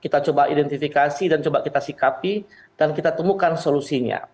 kita coba identifikasi dan coba kita sikapi dan kita temukan solusinya